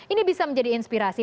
ini bisa menjadi inspirasi